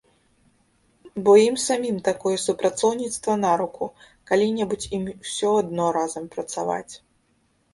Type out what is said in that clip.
Бо ім самім такое супрацоўніцтва на руку, калі-небудзь ім усё адно разам працаваць.